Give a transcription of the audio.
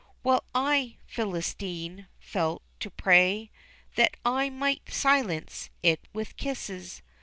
While I, Philistine, felt to pray That I might silence it with kisses.